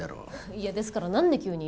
いやですからなんで急に？